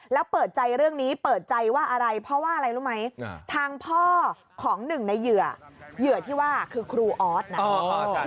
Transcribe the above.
แล้วเปิดใจเรื่องนี้เปิดใจว่าอะไรเพราะว่าอะไรรู้ไหมทางพ่อของหนึ่งในเหยื่อเหยื่อที่ว่าคือครูออสนะ